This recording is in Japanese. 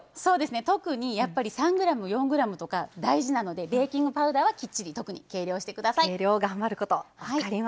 特に３ｇ、４ｇとか大事なのでベーキングパウダーはきっちり特に計量してください。